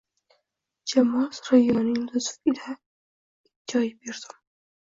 Jamol surayyoning lutfi ila ikkita choy buyurdim.